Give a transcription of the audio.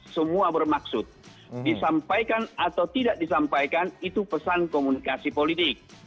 semua bermaksud disampaikan atau tidak disampaikan itu pesan komunikasi politik